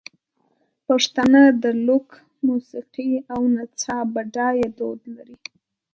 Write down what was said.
پښتانه د لوک موسیقۍ او نڅا بډایه دود لري.